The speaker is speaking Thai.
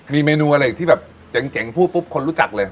มีเมนูอะไรที่แบบเจ๋งพูดปุ๊บคนรู้จักเลย